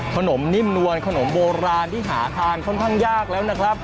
ขนมนิ่มนวลขนมโบราณที่หาทานค่อนข้างยากแล้วนะครับ